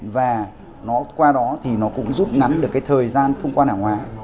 và qua đó thì nó cũng giúp ngắn được thời gian thông quan hải hóa